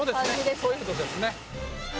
そういうことですね。